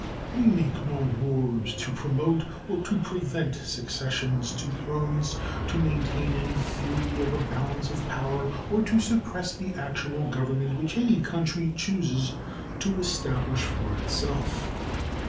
We make no wars to promote or to prevent successions to thrones, to maintain any theory of a balance of power, or to suppress the actual government which any country chooses to establish for itself.